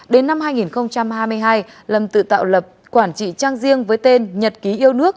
đến năm hai nghìn hai mươi hai lâm tự tạo lập quản trị trang riêng với tên nhật ký yêu nước